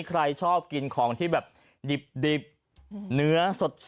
ใครชอบกินของที่แบบดิบเนื้อสด